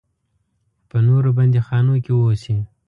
په نورو بندیخانو کې اوسي.